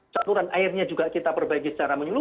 saluran airnya juga kita perbaiki secara menyeluruh